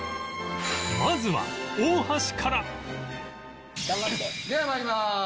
まずは大橋からでは参ります。